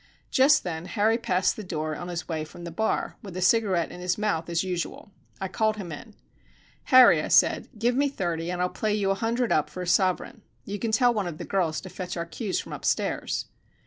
Just then Harry passed the door on his way from the bar, with a cigarette in his mouth as usual. I called him in. "Harry," I said, "give me thirty, and I'll play you a hundred up for a sovereign. You can tell one of the girls to fetch our cues from upstairs."